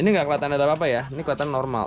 ini nggak kelihatan ada apa apa ya ini kekuatan normal